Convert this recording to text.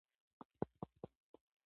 خوړل د دسترخوان ښکلا زیاتوي